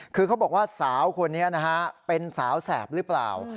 คือเขาบอกว่าสาวคนนี้นะฮะเป็นสาวแสบหรือเปล่า